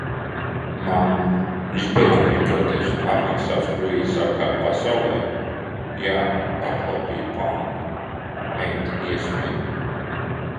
"Mamm, izbeidz muļķoties". Apmaksāts kruīzs apkārt pasaulei? "Jā, aplaupīju banku," meita iesmej.